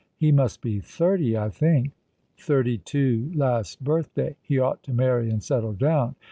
" He must be thirty, I think." " Thirty two last birthday. He ought to marry and settle down.